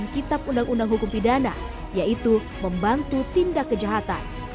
kitab undang undang hukum pidana yaitu membantu tindak kejahatan